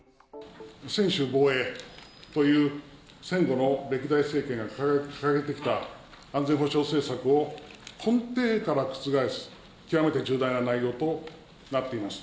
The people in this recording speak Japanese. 専守防衛という、戦後の歴代政権が掲げてきた安全保障政策を、根底から覆す極めて重大な内容となっています。